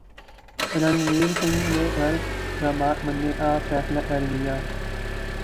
رنویر سنگھ نے گھر داماد بننے کا فیصلہ کر لیا